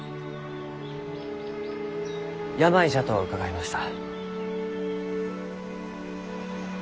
病じゃと伺いました。